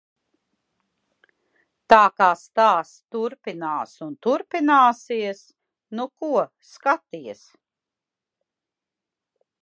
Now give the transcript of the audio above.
Tā kā stāsts turpinās un turpināsies. Nu ko skaties?